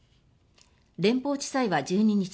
連邦地裁は１２日